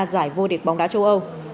giải vô định bóng đá châu âu